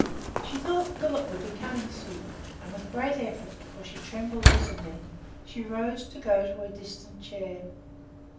She thought Philip would be coming soon; and with great effort—for she trembled visibly—she rose to go to a distant chair.